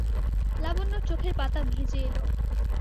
লাবণ্যর চোখের পাতা ভিজে এল।